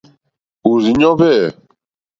Òrzìɲɔ́ hwɛ̂.